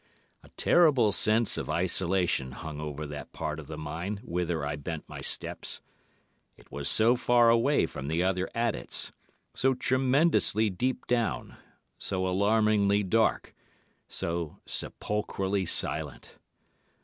"A terrible sense of isolation hung over that part of the mine whither I bent my steps. It was so far away from the other adits—so tremendously deep down—so alarmingly dark, so sepulchrally silent.